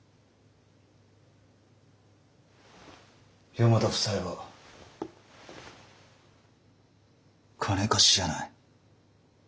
四方田夫妻は金貸しじゃない。